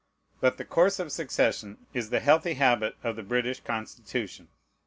But the course of succession is the healthy habit of the British Constitution.